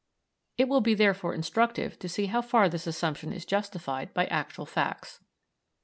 It will be therefore instructive to see how far this assumption is justified by actual facts.